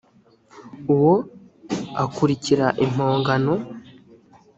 uwo akurikira impongano